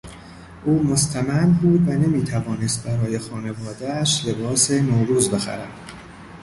او مستمند بود و نمیتوانست برای خانوادهاش لباس نوروز بخرد.